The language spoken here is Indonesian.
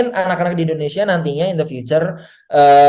jadi gua pengen anak anak di indonesia nantinya in the future